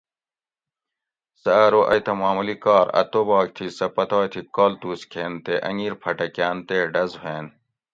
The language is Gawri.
سہ ارو ائی تہ معمولی کار اۤ توباک تھی سہ پتائے تھی کالتوس کھین تے اۤنگیر پھٹکاۤن تے ڈۤز ہوئین